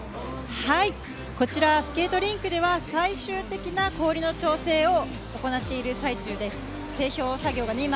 こちらスケートリンクでは最終的な氷の調整を行っている最中です。